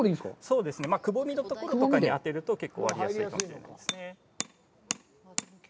そうですね、くぼみのところとかに当てると結構やりやすいかもしれないですね。